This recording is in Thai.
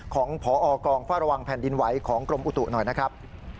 ของพอกองเฝ้าระวังแผ่นดินไหวของกรมอุตุหน่อยนะครับ